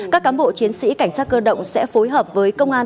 các cán bộ chiến sĩ cảnh sát cơ động sẽ phối hợp với công an